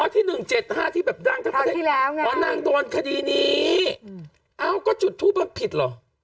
อ๋อที่หนึ่งเจ็ดห้าที่แบบนั่งเท่าที่แล้วไงอ๋อนั่งโดนคดีนี้อ้าวก็จุดทูปมันผิดหรอ